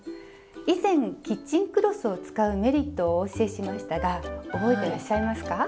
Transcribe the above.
以前キッチンクロスを使うメリットをお教えしましたが覚えてらっしゃいますか？